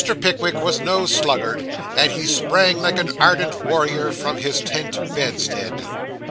Pickwick was no sluggard, and he sprang like an ardent warrior from his tent bedstead.